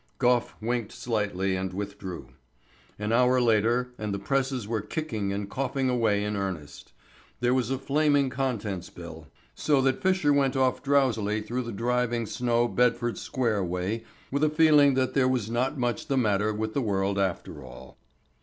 Gough winked slightly and withdrew. An hour later and the presses were kicking and coughing away in earnest. There was a flaming contents bill, so that Fisher went off drowsily through the driving snow Bedford Square way with a feeling that there was not much the matter with the world after all.